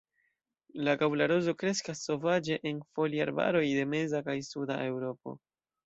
La gaŭla rozo kreskas sovaĝe en foliarbaroj de meza kaj suda Eŭropo.